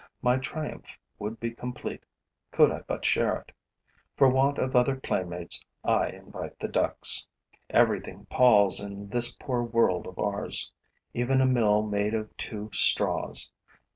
My triumph would be complete, could I but share it. For want of other playmates, I invite the ducks. Everything palls in this poor world of ours, even a mill made of two straws.